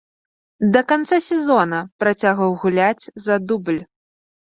Да канца сезона працягваў гуляць за дубль.